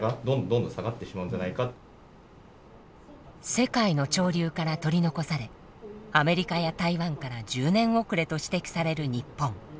世界の潮流から取り残されアメリカや台湾から１０年遅れと指摘される日本。